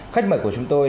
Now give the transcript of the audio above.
khách mời của chúng tôi